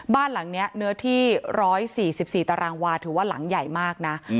บ้านหลังนี้เนื้อที่๑๔๔ตารางวาถือว่าหลังใหญ่มากนะ